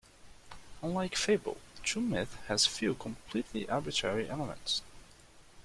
Unlike fable, true myth has few completely arbitrary elements.